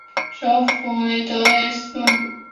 首府为德累斯顿。